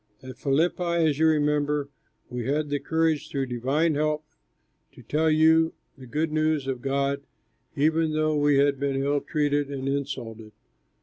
At Philippi, as you remember, we had the courage through divine help to tell you the good news of God even though we had been ill treated and insulted.